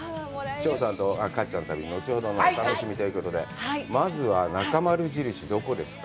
翔さんとかっちゃんの旅は後ほどのお楽しみでまずはなかまる印、どこですか？